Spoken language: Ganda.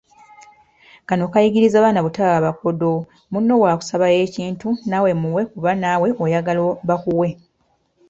Kano kayigiriza baana butaba bakodo; munno bw’akusaba ekintu n’awe muwe kubanga n’awe oyagala bakuwe.